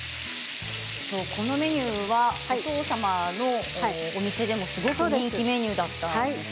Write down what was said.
このメニューはお父様のお店でもすごく人気メニューだったと。